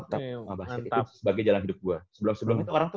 sebelum sebelum itu orang tuh